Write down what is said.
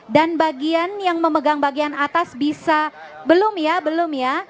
dan bagian yang memegang bagian atas bisa belum ya belum ya